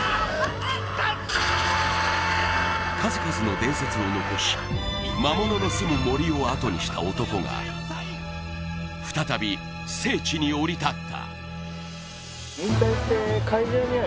数々の伝説を残し魔物のすむ杜をあとにした男が再び聖地に降り立った。